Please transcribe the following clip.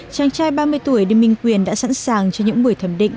chàng trai ba mươi tuổi đinh minh quyền đã sẵn sàng cho những buổi thẩm định